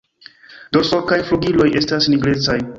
Dorso kaj flugiloj estas nigrecaj.